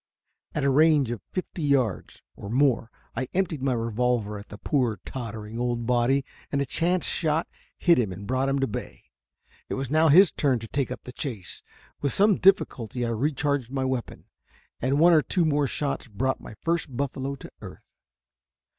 At a range of fifty yards, or more, I emptied my revolver at the poor, tottering, old body, and a chance shot hit him and brought him to bay. It was now his turn to take up the chase. With some difficulty I recharged my weapon, and one or two more shots brought my first buffalo to earth.